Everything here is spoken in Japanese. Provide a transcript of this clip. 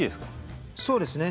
そうですね。